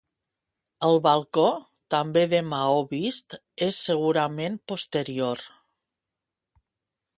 El balcó, també de maó vist, és segurament posterior.